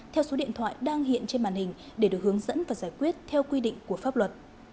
theo số điện thoại đang hiện trên màn hình để được hướng dẫn và giải quyết theo quy định của pháp luật